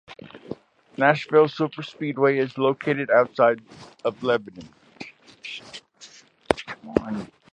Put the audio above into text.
Nashville Superspeedway is located outside of Lebanon.